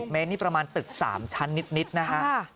เมตรนี่ประมาณตึก๓ชั้นนิดนะฮะ